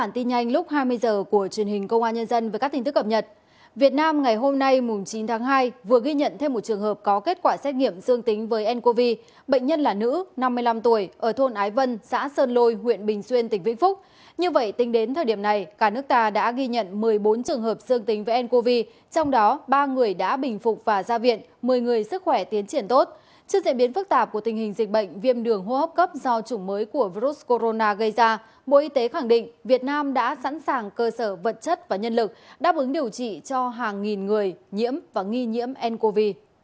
trước diễn biến phức tạp của tình hình dịch bệnh viêm đường hô hấp cấp do chủng mới của virus corona gây ra bộ y tế khẳng định việt nam đã sẵn sàng cơ sở vật chất và nhân lực đáp ứng điều trị cho hàng nghìn người nhiễm và nghi nhiễm ncov